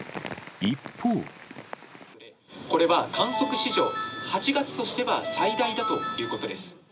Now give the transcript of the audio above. これは観測史上、８月としては最大だということです。